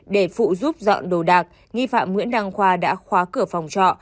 để phụ giúp dọn đồ đạc nghi phạm nguyễn đăng khoa đã khóa cửa phòng trọ